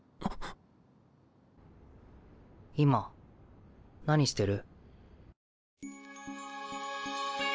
今何してる？